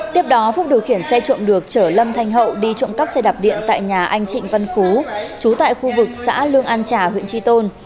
tiếp đó phúc điều khiển xe trộm được chở lâm thanh hậu đi trộm cắp xe đạp điện tại nhà anh trịnh văn phú chú tại khu vực xã lương an trà huyện tri tôn